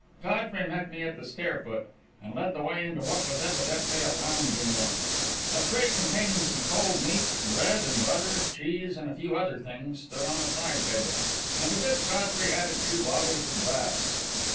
Godfrey met me at the stair foot, and led the way into what was evidently a lounging room. A tray containing some cold meat, bread and butter, cheese, and a few other things, stood on a side table, and to this Godfrey added two bottles of Bass.